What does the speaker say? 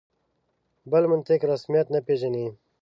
بل منطق رسمیت نه پېژني.